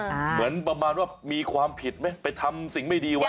เหมือนประมาณว่ามีความผิดไหมไปทำสิ่งไม่ดีไว้